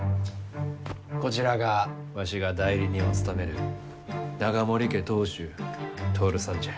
こちらがわしが代理人を務める永守家当主徹さんじゃ。